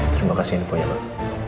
terima kasih neponya pak